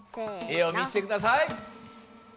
絵をみしてください！